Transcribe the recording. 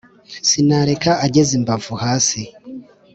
Sinareka ageza imbavu hasi;